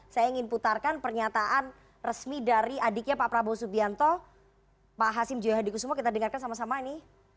saya ingin putarkan pernyataan resmi dari adiknya pak prabowo subianto pak hasim joyo hadi kusuma kita dengarkan sama sama ini